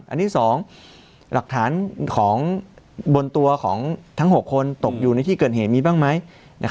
อันนี้๒หลักฐานของบนตัวของทั้ง๖คนตกอยู่ในที่เกิดเหตุมีบ้างไหม